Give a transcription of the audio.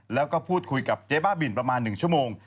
แล้วก็พูดคุยกับเจ๊บ้าบินประมาณ๑ชั่วโมง